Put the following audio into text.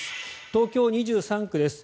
東京２３区です。